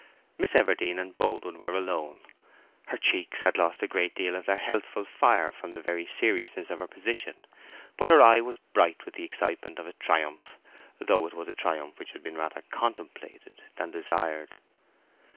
Miss Everdene and Boldwood were alone. Her cheeks had lost a great deal of their healthful fire from the very seriousness of her position; but her eye was bright with the excitement of a triumph—though it was a triumph which had rather been contemplated than desired.